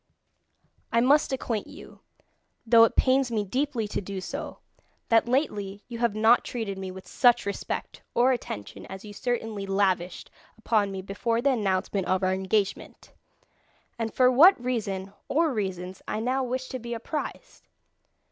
"I must acquaint you, though it pains me deeply to do so, that lately you have not treated me with such respect or attention as you certainly lavished upon me before the announcement of our engagement, and for what reason or reasons I now wish to be apprised.